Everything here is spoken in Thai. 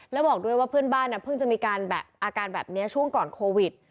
แล้วบอกด้วยว่าเพื่อนบ้านเพิ่งจะมีอาการแบบนี้ช่วงก่อนโควิด